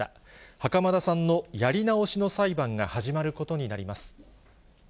袴田さんのやり直しの裁判が始まることになります。